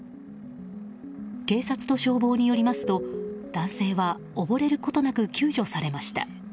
警察と消防によりますと男性は溺れることなく救助されました。